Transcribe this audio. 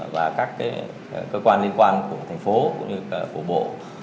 và các cơ quan liên quan của thành phố cũng như của bộ